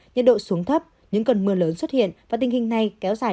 nhiệt độ xuống thấp những cơn mưa lớn xuất hiện và tình hình này kéo dài